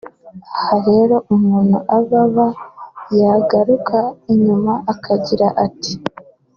Aha rero umuntu ababa yagaruka inyuma akagira ati